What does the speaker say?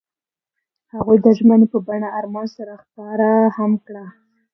هغوی د ژمنې په بڼه آرمان سره ښکاره هم کړه.